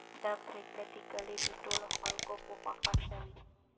دا پرېکړه د کلي د ټولو خلکو په خوښه شوه.